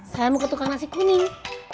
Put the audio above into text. saya mau ke tukang nasi kuning